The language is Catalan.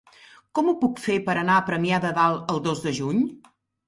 Com ho puc fer per anar a Premià de Dalt el dos de juny?